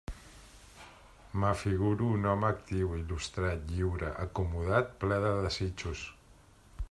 M'afiguro un home actiu, il·lustrat, lliure, acomodat, ple de desitjos.